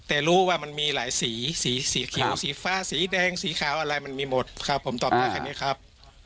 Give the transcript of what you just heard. แต่รู้ว่ามันมีหลายสีสีเขียวสีฟ้าสีแดงสีขาวอะไรมันมีหมดครับผมตอบได้แค่นี้ครับ